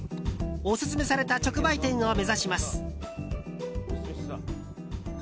オススメされた直売店を目指します。